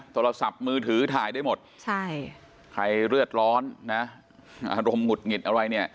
โทรศัพท์มือถือถ่ายได้หมดใช่ใครเลือดร้อนนะอารมณ์หงุดหงิดอะไรเนี่ย